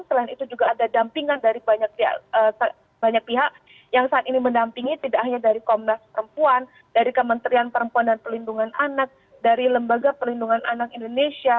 selain itu juga ada dampingan dari banyak pihak yang saat ini mendampingi tidak hanya dari komnas perempuan dari kementerian perempuan dan pelindungan anak dari lembaga pelindungan anak indonesia